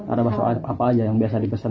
ada bakso apa aja yang biasa dipesan